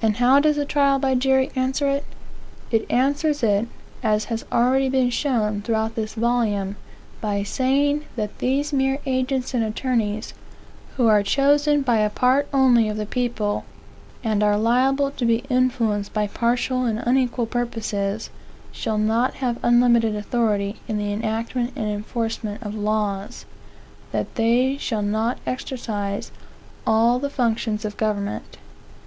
And how does the trial by jury answer it? It answers it, as has already been shown throughout this volume, by saying that these mere agents and attorneys, who are chosen by a part only of the people, and are liable to be influenced by partial and unequal purposes, shall not have unlimited authority in the enactment and enforcement of laws; that they shall not exercise all the functions of government.